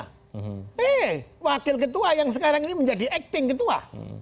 hei wakil ketua yang sekarang ini menjadi acting ketua